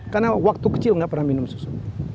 karena waktu kecil nggak pernah minum susu